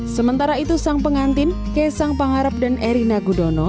sementara itu sang pengantin keisang pangarep dan erina gudono